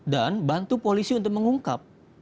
dan bantu polisi untuk mengungkap